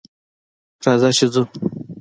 راځه چې ځو